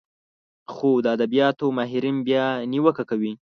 خو د ادبياتو ماهرين بيا نيوکه کوي